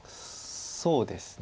そうですね。